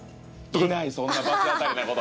しないそんな罰当たりなこと。